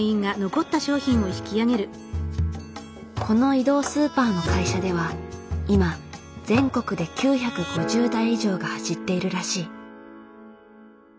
この移動スーパーの会社では今全国で９５０台以上が走っているらしい。